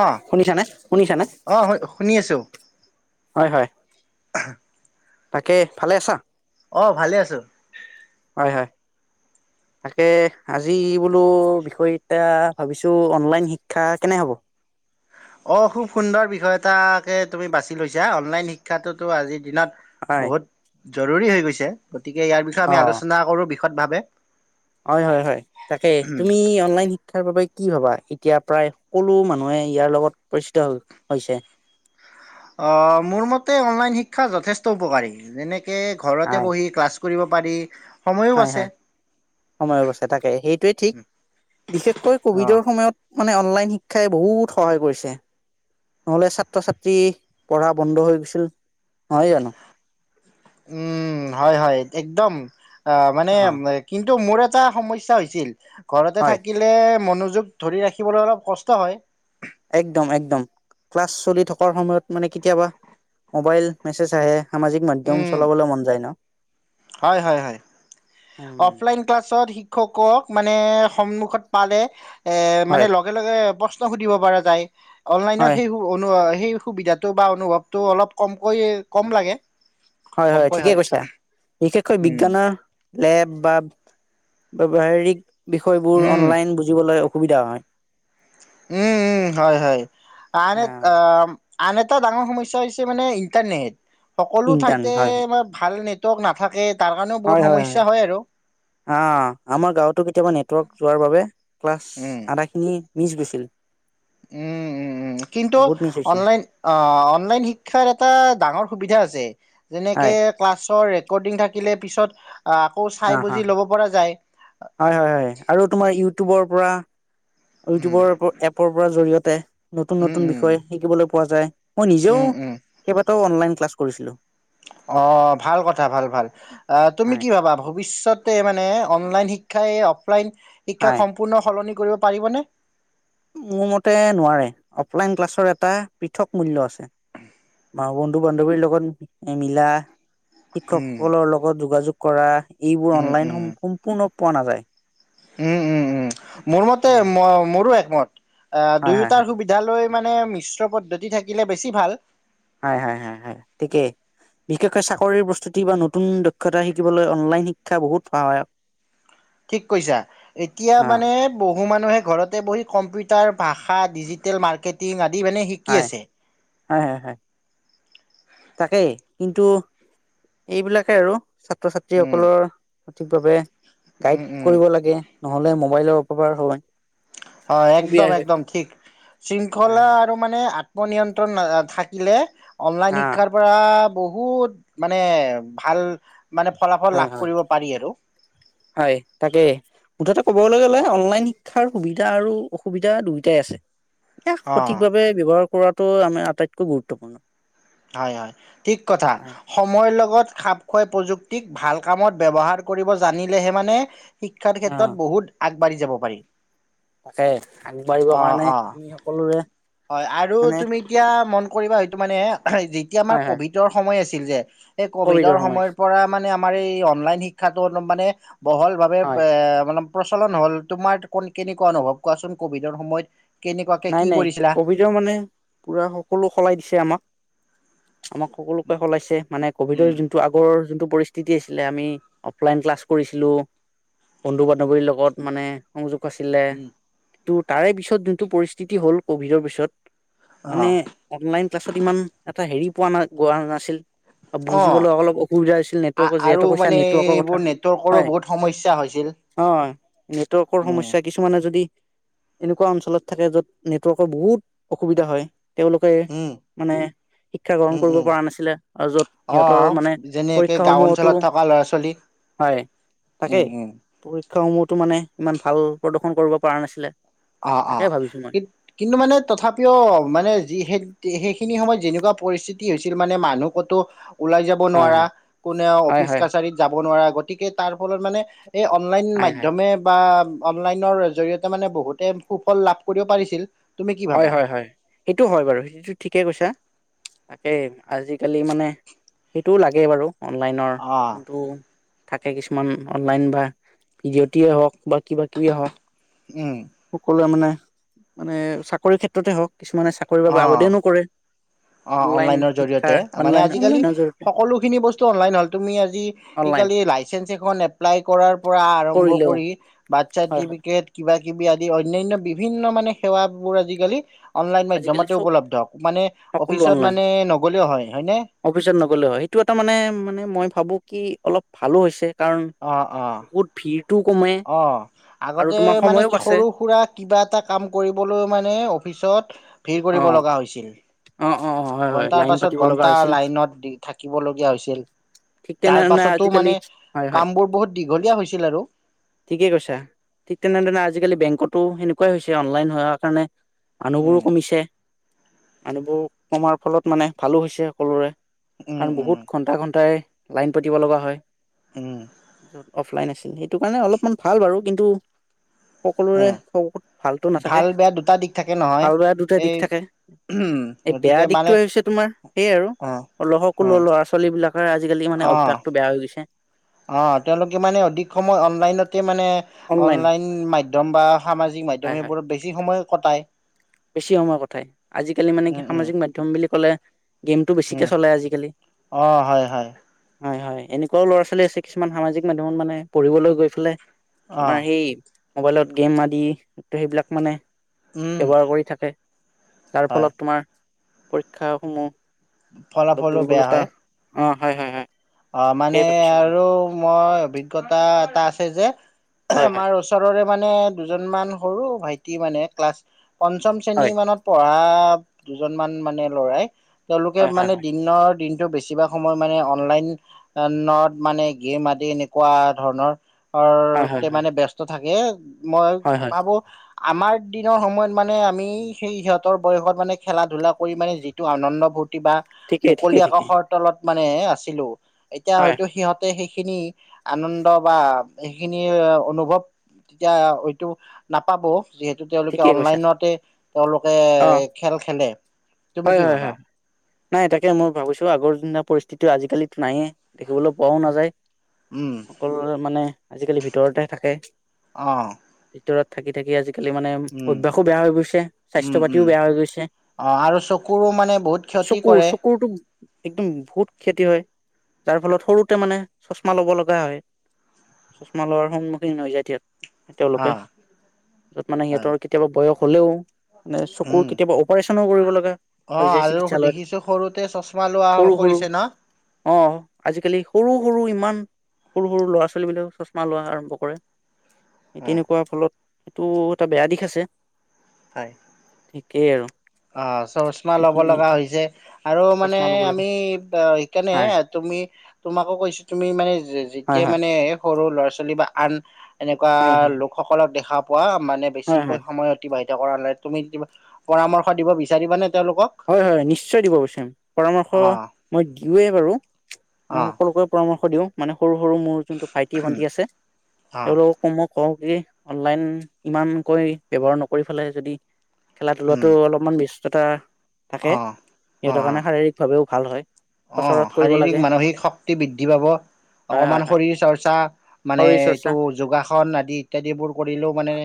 অ, শুনিছানে শুনিছানে আহ, শু-শুনি আছো। হয় হয়। তাকে ভালে আছা। অ, ভালে আছো। হয় হয় তাকে আজি বোলো বিষয় এতিয়া ভাবিছো অনলাইন শিক্ষা কেনে হ'ব। অঁ, খুব সুন্দৰ বিষয় এটাকে তুমি বাছি লৈছা, অনলাইন শিক্ষাটোতো আজি দিনত হয় বহুত। জৰুৰী হৈ গৈছে। গতিকে ইয়াৰ বিষয়ে অ আমি আলোচনা কৰোঁ। বিশদভাৱে। হয় হয় হয় তাকে তুমি অনলাইন শিক্ষাৰ বাবে কি ভাবা এতিয়া প্ৰায় সকলো মানুহে ইয়াৰ লগত পৰিচিত হৈছে। আহ মোৰ মতে অনলাইন শিক্ষা যথেষ্ট উপকাৰী যেনে ঘৰতে হয় বহি ক্লাচ কৰিব পাৰি সময়ো হয়, বাচে। হয়, সময় অৱস্থা তাকে সেইটোৱে ঠিক বিশেষকৈ অ', কভিডৰ সময়ত মানে অনলাইন শিক্ষাই বহুত সহায় কৰিছে, নহ'লে ছাত্ৰ-ছাত্ৰী পঢ়া বন্ধ হৈ গৈছিল নহয় জানো। উম হয় হয় একদম। অ, মানে অ কিন্তু মোৰ এটা? এটা সমস্যা হৈছিল। ঘৰতে হয় থাকিলে মন ধৰি ৰাখিবলৈ অলপ কষ্ট হয়। একদম, একদম ক্লাছ চলি থকাৰ সময়ত মানে কেতিয়াবা মোবাইল মেছেজ আহে। সামাজিক মাধ্যম উম, চলাবলৈ মন যায় ন। হয়, হয়, হয়। উম, অফলাইন ক্লাছত শিক শিক্ষকক মানে সন্মুখত পালে এ মানে হয় লগে লগে বস্ত সুধিব পৰা যায় অনলাইনত হয় সেইবোৰ অনোৱা সে সেই সুবিধাটো বা অনুভৱটো অলপ কমকৈ কম লাগে হয়, হয় ঠিকেই কৈছা বিশেষকৈ উম বিজ্ঞানৰ। লেপ বা ব্যৱহাৰিক বিষয়বোৰ উম অনলাইন বুজিবলৈ সুবিধা হয়। উম, উম, হয়, হয় আ আহ, আ। আন এটা ডাঙৰ সমস্যা হৈছে মানে ইণ্টাৰনেট। সকলো ইণ্টাৰ্ণ ঠাইতে হয় মই ভাল নে। তক নাথাকে। তাৰ কাৰণেও বহুত হয় হয় হয় সমস্যা আৰু আ আমাৰ গাঁৱতো কেতিয়াবা নেট যোৱাৰ বাবে। ক্লাছ উম আদাখিনি। মিজ গেছিল। উম উম উম কিন্তু হৈছিল অনলাইন অ' অনলাইন শিক্ষাৰ এটা ডাঙৰ সুবিধা আছে। যেনেকে হয় ক্লাছৰ থাকিলে পিছত। আকৌ চাই অ হা বুজি ল'ব পৰা যায় হয়, হয়, হয় আৰু তোমাৰ ইউটিউবৰ পৰা। উম ইউটিউবৰ এপ এপৰ পৰা জৰিয়তে পে নতুন উম নতুন বিষয় শিকিবলৈ পোৱা যায়। মই নিজেও উম উম কেইবাটাও অনলাইন ক্লাছ। কৰিছিলো। অ ভাল কথা ভাল ভাল অহ তুমি হয় কি ভাবা। ভৱিষ্যতে মানে অনলাইন শিক্ষাই। লাইন শিক্ষা হয় সম্পূৰ্ণ সলনি। কৰিব পাৰিবনে? মোৰ মতে নোৱাৰে। অফলাইন ক্লাছৰ এটা পৃথক মূল্যৰ আছে। বন্ধু বান্ধৱীৰ লগত মিলা। উম শিক্ষকসকলৰ লগত যোগাযোগ। কৰা। এইবোৰ উম অনলাইন উম সম সম্পূৰ্ণ পোৱা নাযায়। উম উম উম মোৰ মতে ম মোৰো একমত। অ হয় হয় দুয়োটাৰ সুবিধা লৈ। মানে মিশ্ৰ পদ্ধতি থাকিলে বেছি ভাল। ঠিকেই বিশেষকৈ চাকৰিৰ প্ৰস্তুতি বা নতুন দক্ষতা শিকিবলৈ অনলাইন শিক্ষা বহুত সহায়ক। ঠিক কৈছা, এতিয়া হয় মানে বহু বহু মানুহে ঘৰতে বহি কম্পিউটাৰ ভাষা ডিজিটেল মাৰ্কেটিং আদি। ই মানে শিকি হয় আছে হয় হয় হয় তাকেই কিন্তু এইবিলাকে আৰু, ছাত্ৰ উম, ছাত্ৰীসকলৰ সঠিকভাৱে। গাইড উম, উম, কৰিব লাগে নহলে মোবাইলৰ অপকাৰ হব পাই। অ একদম একদম ঠিক হা শৃংখলা আৰু মানে। নিয়ন্ত্ৰণ থাকিলে। অনলাইন শিক্ষাৰ পৰা। বহুত মানে ভাল মানে ফলাফল হয় লাভ হয় কৰিব পাৰি আৰু, হয় তাকেই। মুঠতে ক'বলৈ গ'লে অনলাইন শিক্ষাৰ সুবিধা আৰু অসুবিধা দুয়ইোটাই আছে। ইয়াক অ', সঠিকভাৱে ব্যৱহাৰ কৰাটো আমাৰ আটাইতকৈ গুৰুত্বপূৰ্ণ। হয় হয় ঠিক কথা, হয় সময়ৰ লগত খাপ খুৱাই প্ৰযুক টিক ভাল কামত ব্যৱহাৰ কৰিব জানিলেহে মানে শিক্ষাৰ অ ক্ষেত্ৰত বহুত আগ। বাঢ়ি যাব পাৰি, তাকে আগবাঢ়িবৰ অ', কাৰণে অ'। আমি সকলোৰে মানে কৰিব হয়েইটো মানে যেতিয়া আমাৰ হয় হয় কভিডৰ সময় আছে ছিল যে এই ক'ভিডৰ সময়ৰ পৰা মানে আ আমাৰ এই অনলাইন শিক্ষাটো মানে বহলভাৱে হয় পে মানে প্ৰচলন হ'ল তোমাৰ ক কেনেকুৱা অনুভৱ কোৱাচোন কভিডৰ সময়ত কেনেকুৱাকে নাই কি নাই কৰিছিলা? কভিডৰ মানে পুৰা সকলো সলাই দিছে আমাক আমাক সকলোকে সলাইছে মানে কভিডৰ যোনটো আগৰ যোনটো পৰিস্থিতি আছিলে আমি অফলাইন ক্লাছ কৰিছিলোঁ বন্ধো, বান্ধবীৰ লগত মানে কৈছিলে ত তাৰে পিছত যোনটো পৰিস্থিতি স্থিতি হ'ল ক'ভিডৰ পিছত মানে অ', অনলাইন ক্লাছত ইমান এটা হেৰি পোৱা না গোৱা নাছিল অ', বুজিবলৈ অলপ অসুবিধা হৈছিল আ নেটৱৰ্কৰ আৰু যিহেতু কৈছা মানে নেটৱৰ্কৰ কথা এইবোৰ নেটৱৰ্কৰো হয় বহুত সমস্যা হৈছিল। অ নেটৱৰ্কৰ উম, সমস্যা কিছুমানে যদি এনেকুৱা অঞ্চলত থাকে য'ত নেটৱৰ্কৰ বহুত অসুবিধা হয়। তেওঁলোকে উম, মানে শিক্ষা গ্ৰহণ উম, কৰিব উম, পৰা নাছিলে আৰু য'ত সিহঁতৰ অ', মানে যেনেকে পৰীক্ষাস গাঁও সমূহতো অঞ্চলত থকা ল'ৰা ছোৱালী হয় উম, তাকেইৰ উম। শিক্ষাসমূহতো মানে ইমান ভাল প্ৰদৰ্শন কৰিব পৰা নাছিলে। অ অ তাকে ভাবিছো মই ই কিন্তু মানে তথাপিও মানে যি সেই সেইখিনি সময়ত যেনেকুৱা পৰিস্থিতি হৈছিল মানে মানুহ কতো ওলাই যাব হয় হয় নোৱাৰা কোনেও হয় অফিচ হয় কাছাৰীত যাব নোৱাৰা গতিকে তাৰ ফলত মানে এই অনলাইন হয় হয় মাধ্যমে বা অনলাইনৰ জৰিয়তে মানে বহুত তেওঁ সুফল লাভ কৰিব পাৰিছিল। কি হয় ভাবা হয় হয় সেইটো হয় বাৰু সেইটোটো ঠিকে কৈছা। তাকে আজিকালি মানে সেইটোও লাগে বাৰু অনলাইনৰ অ', যোনটো থাকে কিছুমান অনলাইন বা ভিডিঅ' টি হওক বা কিবা কিবিয়ে হওক উম, সকলোৱে মানে মানে চাকৰি কৰি ক্ষেত্ৰতে হওক। কিছুমানে চাকৰিৰ বাবে অ'। আৱেদনো কৰে অ অনলাইন অনলাইনৰ শিক্ষা জৰিয়তে মানে অনলাইন আজিকালি অনলাইনৰ জৰিয়তে সকলোখিনি বস্তু অনলাইন হ'ল তুমি আজি অনলাইন কালি লাইচেঞ্চ এখন এপ্লাই কৰাৰ পৰা আৰম্ভ কৰিলেও কৰি বাৰ্থ হয় হয় চাৰ্টিফিকেট কিবা কিবি আদি অনয়ানয় বিভিন্ন মানে সেৱাবোৰ আজিকালি অনলাইন আজিকালি মাধ্যমতে চব উপলব্ধ মানে অফিচত মানে নগ'লেও হয় হয়নে অফিচত নগলো হয় সেইটো এটা মানে মানে মই‌ ভাৱো কি অলপ ভালো হৈছে। কাৰণ অ অ বহুত ভিৰ। অ, আগতে মানে সময়ো বাচে সৰু, সুৰা কিবা এটা কাম কৰিবলৈ মানে অফিচত ভিৰ অ কৰিব লগা হৈছিল। অ অ অ হয় হয় ঘন্টাৰ লাইন পাছত পাতিব লগা ঘন্টা হৈছিল লাইনত দি থাকিবলগীয়া হৈছিল, ঠিক তাৰ তেনেধৰণে পাছতো আজিকালি মানে হয় কামবোৰ বহুত দীঘলীয়া হৈছিল আৰু। ঠিকে কৈছা ঠিক তেনেধৰণে আজিকালি বেংকতো সেনেকুৱাই হৈছে, অনলাইন হোৱাৰ কাৰণে, উম মানুহবোৰো কমিছে। মানুহবোৰ কমাৰ ফলত, মানে ভালো হৈছে সকলোৰে। উম কাৰণ বহুত ঘন্টা, ঘন্টাই, লাইন পাতিব লগা হয়। উম য'ত অফলাইন আছে সেইটো কাৰণে অলপমান ভাল বাৰু কিন্তু, সকলোৰে উম ভালতো ভাল নাথাকে বেয়া দুটা দিশ থাকে নহয় ভাল- বেয়া দুটাই এই দিশ থাকে। এই বেয়া গতিকে মানে দিশতটো আহিছে তোমাৰ সেইয় আৰু অ অল অ সকলো ল'ৰা ছোৱালী বিলাক ধৰা আজিকালি মানে অ অভ্যাসটো বেয়া হৈ গৈছে। অ, 'তেওঁলোকে মানে অধিক সময় অনলাইনতে, তেই মানে অনলাইন মাধ্যম বা সামাজিক মাধ্যম হয় হয় সেইবোৰত বেছি সময়, কটায় বেছি সময়ৰ কথাই আজিকালি মানে উম কি উম সামাজিক মাধ্যম বুলি কলে, গেমটো বেছিকে উম চলে আজিকালি। অ হয় হয় হয়, হয়, এনেকুৱাও ল'ৰা -ছোৱালী আছে কিছুমান সামাজিক মাধ্যমত মানে পঢ়িবলৈ গৈ ফেলে, অ তোমাৰ সেই মোবাইলত গেম আদি তো, সেইবিলাক মানে, উম', [inaudible] তাৰ হয় ফলত তোমাৰ পৰীক্ষাস সমূহ ফলাফলো বেয়া হয়। অ ', -হয় -হয় -হয় অহ ', মানে তাকেই ভাবিছো মই আৰু মই অভিজ্ঞতা এটা আছে। যে, হয় হয় আমাৰ ওচৰৰে, মানে, দুজনমান সৰু -ভাইটি মানে ক্লাছ, পঞ্চম হয় -শ্ৰেণীৰ মানত পঢ়া, আঃ দুজন মান মানে লৰাই, তেওঁলোকে হয় হয় মানে হয় দিনৰ - দিন, কিন্তু বেছিভাগ সময় মানে অনলাইন, নদ মানে গেম, আদি এনেকুৱা ধৰণৰ, অ', হয় হয় কে হয় মানে ব্যস্তত, থাকে, মই হয় হয় ভাবো, আমাৰ দিনৰ সময়ত মানে আমি সেই সিহঁতৰ বয়সত মানে খেলা -ধূলা কৰি মানে যিটো আনন্দ ভূত, বা ঠিকেই মুকলি ঠিকেই ঠিকেই আকাশৰ তলত, য়ে আছিলো এতিয়া হয় হয়তো সিহঁতে সেই খিনি আনন্দ বা সেইখিনি অনুভৱ তেতিয়া হয়টো নাপাব যিহেতু তেওঁলোকে ঠিকে কৈছা অনলাইনতে তেওঁলোকে অ খেল খেলে তুমি হয় কি হয় ভাবা হয় নাই তাকে মই ভাবিছো আগৰ দিনৰ পৰিস্থিতি আজি টো নাইয়ে দেখিবলৈ পোৱাও নাযায় উম সকলোৰে মানে আজিকালি ভিতৰতেহে থাকে অহ ভিতৰত থাকি থাকি আজি মানে অভ্যাসো বেয়া হৈ গৈছে স্বাস্থ্য উম পাতিও উম বেয়া হৈ গৈছে অ আৰু চকুৰো মানে বহুত ক্ষতি চকুৰ কৰে চকুৰটো একদম বহুত ক্ষাতি হয় যাৰ ফলত সৰুতে মানে চচমা ল'ব লগা হয় চচমা লোৱাৰ সন্মুখীন হৈ যায় তিয়াত অ তেওঁলোকে মানে হয় সিহঁৰ কেতিয়াবা বয়স হ'লেও মানে চকুৰ উম কেতিয়াবা অপাৰেচনো কৰিব লগা অ হৈ যায় আৰু চিকিৎসালয়ত দেখিছো সৰুতে চশমা লোৱা সৰু সৰু কৰিছে ন অ আজিকালি সৰু সৰু ইমান মান সৰু সৰু ল'ৰা ছোৱালী বিলাক চচমা লোৱা আৰম্ভ কৰে সেই অ তেনেকুৱা ফলত তটো এটা বেয়া দিশ আছে হয় কেই আৰু অ চচমা ল'ব সেইখিনিয়ে লগা হৈছে আৰু মানে চশমা ল'ব লাগে আমি সেইকাৰণে হয় তুমি তোমাকো কৈছো তুমি মানে যি গতিকে হয় হয় মানে সৰু ল'ৰা ছোৱালী বা আন এনেকুৱা হয় হয় লোকসকলক দেখা পপ মানে হয় বেছিকৈ হয় সময় অতিবাহিত কৰা নাই তুমি কিবা পৰামৰ্শ দিব বিচাৰিবা নে হয় হয় হয় নিশ্চয় দিব বিচাৰিম পৰামৰ্শ অ মই দিওৱে বাৰু মই অ সকলোকে পৰামৰ্শ ওঁ মানে সৰু সৰু মোৰ যোনটো ভাইটি উম ভন্টি আছে অ তেওঁলোকক কমক কও কি অনলাইন ইমানকৈ ব্যৱহাৰ নকৰি ফেলাই যদি খেলা ধূলাতো উম অলপমান বেছ যথা অ অ ভাৱেও ভাল হয়। অ কচৰত কৰিব লাগে শাৰীৰিক মানসিক শক্তি বৃদ্ধি পাব হয় হয় অকমান হয় শৰীৰ চৰ্চা মানে শৰীৰ চৰ্চা এইটো যোগাসন আদি ইত্যাদিবোৰ কৰিলেও মানে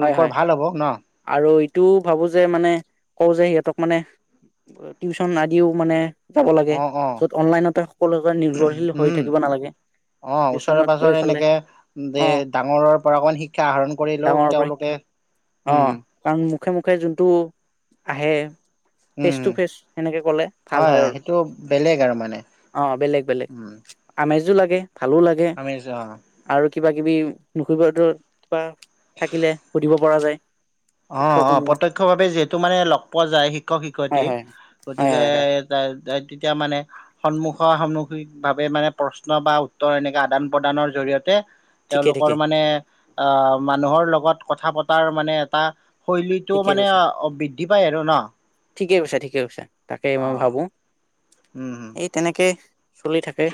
হয় হয় ভাল হ'ব ন আৰু এইটোও ভাবো যে মানে কওঁ যে সিহঁতক মানে টিউচন আদিও মানে যাব লাগে অ', অ', য'ত অনলাইনতে সকলোব নিৰ্ভৰশীল হৈ উম, থাকিব নালাগে অ', ওচৰে টিউচনত গৈ পাজৰে ফালে এনেকে যে আহ ডাঙৰৰ পৰা অকমান শিক্ষা আহৰণ কৰিলেও ডাঙৰ তেওঁলোকে পশী্ষা অ উম, ক মুখে মুখে যোনটো আহে ফেচ উম, টু ফেচ সেনেকে কলে ভাল হয় আৰু সেইটো বেলেগ আৰু মানে অ বেলেগ বেলেগ উম, আমেজো লাগে [inaudible] ভালো লাগে আমি অ', আৰু কিবা কিবি নুকৰিবত থাকিলে সুধিব পৰা যায় অ অ শিক্ষকসমূহক প্ৰত্য়ক্ষ ভাৱে যিহেতু মানে লগ পোৱা যায় শিক্ষক হয় শিক্ষয়িত্ৰী হয় হয় গতিকে হয় হয় ত তেতিয়া মানে সন্মুখ সন্মুখিকভাৱে মানে প্ৰশ্ন বা উত্তৰ এনেকৈ আদান প্ৰদানৰ জৰিয়তে ঠিকে তেওঁলোকৰ ঠিকে মানে মানুহৰ লগত কথা পতাৰ মানে ত শৈলীটো ঠিকে মানে বৃদ্ধি পায় আৰু ন ঠিক কৈছে ঠিকে কৈা তাকেই মই অ', ভাবো উম, এই তেনেকে চলি থাকে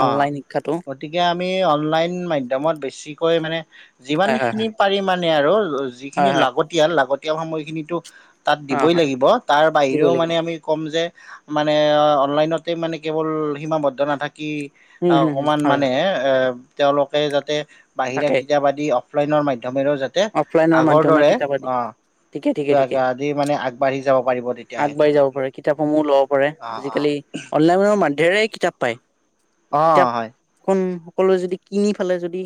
অ অনলাইন শিক্ষাটো গতিকে আমি অনলাইন মাধ্যমত বেছি অই, মানে। যিমান হয় হয় খিনি পাৰি মা নিয়া ৰোল। অই, যিখিনি হয় হয় হয় লাগতিয়াল লাগত। এ সময়খিনিতো তাত অ দিবই হয় লাগিব। তাৰ দিব বাহিৰেও লাগিব মানে আমি ক'ম যে। মানে অনলাইনতে মানে কেৱল সীমাবদ্ধ ক [unintelligible] কি উম আও হম হম অকমান হয় মানে হয় এ। তেওঁলোকে যাতে বাহিৰা তাকে কিতাপ আদি ফ্লোইনৰ মাদ। অফলাইনৰ মাধ্যমে কিতাপত অ ঠিকে ঠিকে ঠিকে আদি মানে আগবাঢ়ি যাব পাৰিব তেতিয়াহে আগবাঢ়ি তেওঁলোক যাব পাৰে। কিতাও সমুহ লব পাৰে। অ অ আজিকালি অনলাইনৰ‌ মাধৰে। কিতাপ পায়। অ কিতাপ হয় খন। সকলোৱে যদি কি পেলে যদি।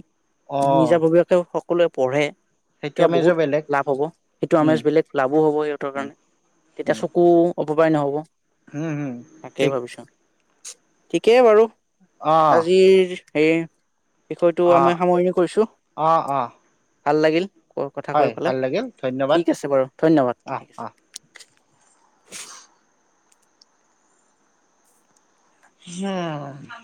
অ নিজা ভৱিষষেও সকলোৱে পঢ়ে। সেইটো তেতিয়া আমেজো বহুত বেলেগ লাভ হ'ব। এইটো আমেজ উম বেলেগ ক্লাবো হ'ব সিহঁতৰ উম কাৰণে। তেতিয়া উম চকু [unintelligible] নহ'ব। উম, হম, তাকেই ঠিক। ভাবিছো ঠিকেই বাৰু। অ আজিৰ। এই। বিষয়টো অ আমাৰ সামৰণি কৰিছো। অ অ ভাল লাগিল। কৰ কথা হয় কৈ ভাল পেলাই। লাগিল ধন্যবাদ ঠিক আছে বাৰু ধন্যবাদ। আহ ঠিক আছে। [unintelligible] হা।